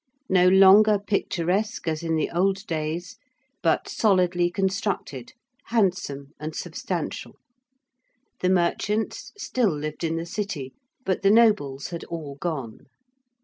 No longer picturesque as in the old days, but solidly constructed, handsome, and substantial. The merchants still lived in the city but the nobles had all gone.